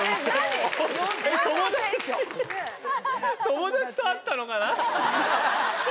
友達と会ったのかな？